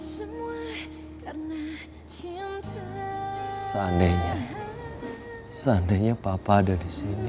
seandainya seandainya papa ada di sini